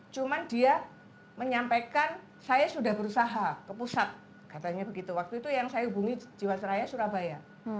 cuma dia menyampaikan saya sudah berusaha ke pusat katanya begitu waktu itu yang saya hubungi jiwasraya surabaya